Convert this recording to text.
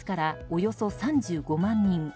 およそ３５万人